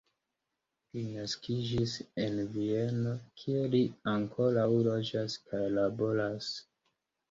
Li naskiĝis en Vieno, kie li ankoraŭ loĝas kaj laboras.